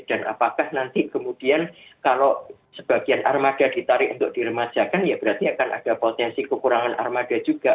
dan apakah nanti kemudian kalau sebagian armada ditarik untuk diremajakan ya berarti akan ada potensi kekurangan armada juga